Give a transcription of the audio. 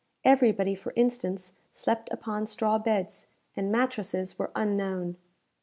Everybody, for instance, slept upon straw beds, and mattresses were unknown.